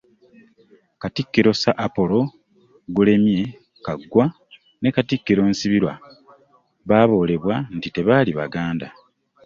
Katikkiro Sir Apollo Gulemye Kaggwa ne Katikkiro Nsibirwa baaboolebwa nti tebaali Baganda.